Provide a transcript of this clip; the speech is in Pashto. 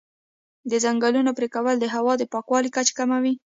د ځنګلونو پرېکول د هوا د پاکوالي کچه کموي.